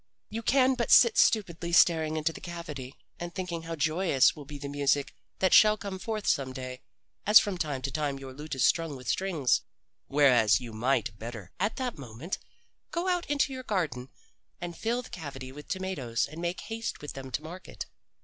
You can but sit stupidly staring into the cavity and thinking how joyous will be the music that shall come forth some day, as from time to time your lute is strung with strings whereas you might better at that moment go out into your garden and fill the cavity with tomatoes and make haste with them to market.